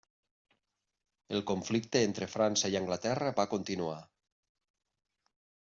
El conflicte entre França i Anglaterra va continuar.